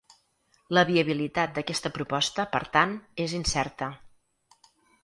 La viabilitat d’aquesta proposta, per tant, és incerta.